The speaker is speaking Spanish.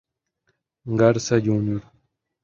Garza Jr.